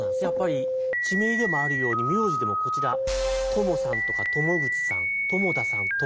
やっぱり地名でもあるように名字でもこちら塘さんとか塘口さん塘田さん